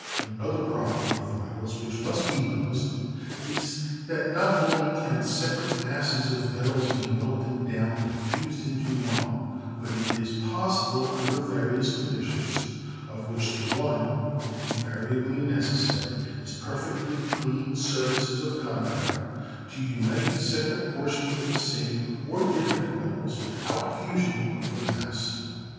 Another property of the metals which must be noticed is, that not only can separate masses of metals be melted down and fused into one, but it is possible, under various conditions, of which the one invariably necessary is perfectly clean surfaces of contact, to unite separate portions of the same or different metals without fusion of the mass.